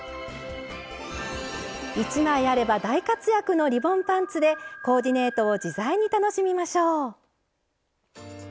１枚あれば大活躍のリボンパンツでコーディネートを自在に楽しみましょう。